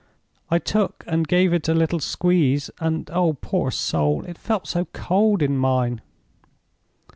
I took and gave it a little squeeze—and, oh poor soul, it felt so cold in mine!"